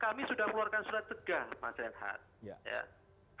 kami sudah keluarkan surat tegah mas renhat